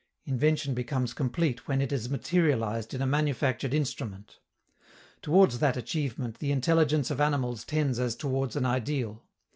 Invention becomes complete when it is materialized in a manufactured instrument. Towards that achievement the intelligence of animals tends as towards an ideal.